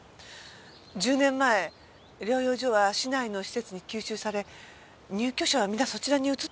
１０年前療養所は市内の施設に吸収され入居者はみなそちらに移ったそうですね。